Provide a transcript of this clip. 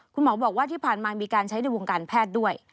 คุณหมอบอกว่าที่ผ่านมามีการใช้ในวงการแพทย์ด้วย